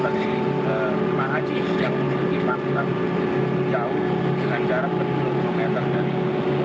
berkait dengan dua jam sukus yang hari ini mencapai empat puluh derajat celcius